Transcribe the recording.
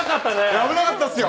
危なかったですよ。